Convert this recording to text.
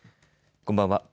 こんばんは。